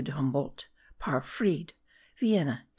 de Humboldt, par Fried. Vienna 1818.)